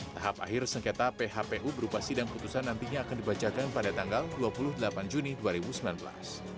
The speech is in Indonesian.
tahap akhir sengketa phpu berupa sidang putusan nantinya akan dibacakan pada tanggal dua puluh delapan juni dua ribu sembilan belas